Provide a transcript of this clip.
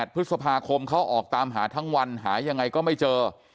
พฤษภาคมเขาออกตามหาทั้งวันหายังไงก็ไม่เจอ